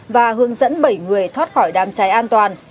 và hướng dẫn bảy người thoát khỏi đám cháy an toàn